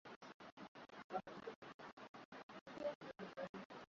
mazungumzo ya tepu yanaleta sauti mpya za wazungumzaji